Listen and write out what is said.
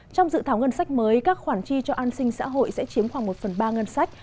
trong dự thảo ngân sách mới các khoản chi cho an sinh xã hội sẽ chiếm khoảng một phần ba ngân sách